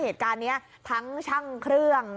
ทั้งช่างเครื่อง